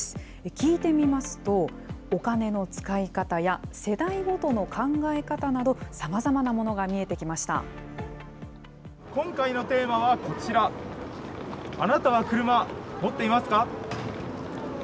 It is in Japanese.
聞いてみますと、お金の使い方や世代ごとの考え方など、さまざまなものが見えてき今回のテーマはこちら、あなたは車、持っていますか？